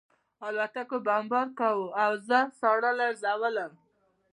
الوتکو بمبار کاوه او زه ساړه لړزولم